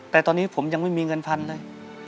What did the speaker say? แต่ตอนนี้ผมยังไม่มีเงินพันเลย